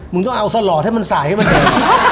มึงต้องเอาสะหรอดให้มันใสให้มันแดก